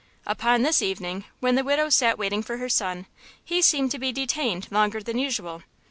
Upon this evening, when the widow sat waiting for her son, he seemed to be detained longer than usual.